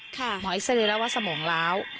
ค่ะหมอเอ็กซ์เรียนแล้วว่าสมองล้าว